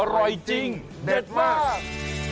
อร่อยจริงเด็ดมาก